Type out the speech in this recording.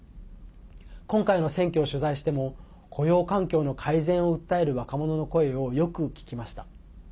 今回の選挙を取材しても雇用環境の改善を訴える若者の声をよく聞きました。